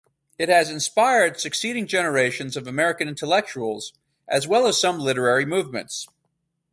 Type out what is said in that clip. It has inspired succeeding generations of American intellectuals, as well as some literary movements.